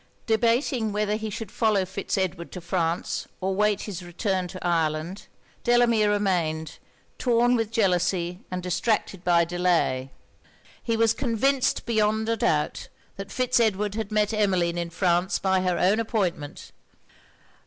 Debating whether he should follow Fitz Edward to France or wait his return to Ireland, Delamere remained, torn with jealousy and distracted by delay. He was convinced beyond a doubt, that Fitz Edward had met Emmeline in France by her own appointment.